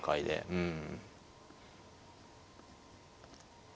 うん。